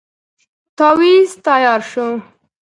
تاويذ تیار شو.